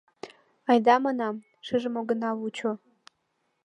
— Айда, — манам, — шыжым огына вучо.